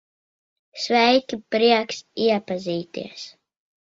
Sveiki, prieks iepazīties.